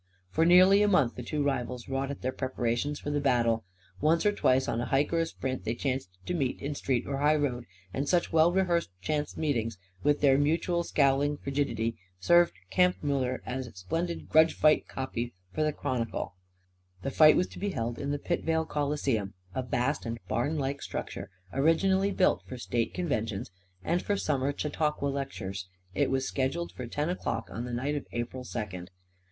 For nearly a month the two rivals wrought at their preparations for the battle. Once or twice on hike or sprint they chanced to meet in street or highroad. And such well rehearsed chance meetings, with their mutual scowling frigidity, served Kampfmuller as splendid "grudge fight" copy for the Chronicle. The fight was to be held in the Pitvale Coliseum, a vast and barnlike structure originally built for state conventions and for summer Chautauqua lectures. It was scheduled for ten o'clock on the night of April second.